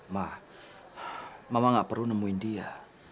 ma mama nggak perlu nemuin dia